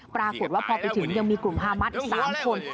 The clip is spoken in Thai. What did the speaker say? ปรากฏว่าพอไปถึงยังมีกลุ่มฮามัสอีก๓คน